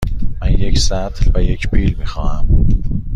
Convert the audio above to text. من یک سطل و یک بیل می خواهم.